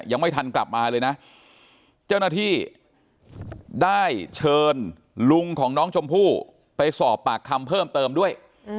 ยังไม่ทันกลับมาเลยนะเจ้าหน้าที่ได้เชิญลุงของน้องชมพู่ไปสอบปากคำเพิ่มเติมด้วย